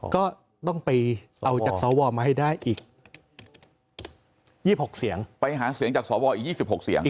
ก็ต้องไปเอาจากสวมาให้ได้อีก๒๖เสียงไปหาเสียงจากสวอีก๒๖เสียง